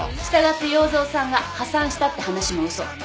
したがって要造さんが破産したって話も嘘。